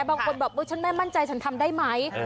บางคนบอกฉันไม่มั่นใจฉันทำได้ไหม